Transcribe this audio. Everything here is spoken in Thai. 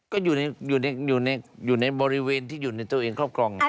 ก็อยู่ในบริเวณที่อยู่ในตัวเองครอบครอง